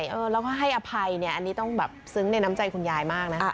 แล้วก็ให้อภัยเนี่ยอันนี้ต้องแบบซึ้งในน้ำใจคุณยายมากนะ